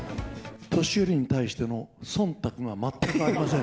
年寄りに対してのそんたくが全くありません。